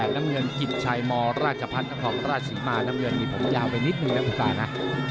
น้ำเงินกิจชัยมราชพัฒนครราชศรีมาน้ำเงินนี่ผมยาวไปนิดนึงนะคุณตานะ